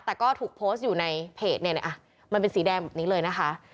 แต่ก็ถูกโพสต์อยู่ในเพจเนี่ยมันเป็นสีแดงแบบนี้เลยนะคะ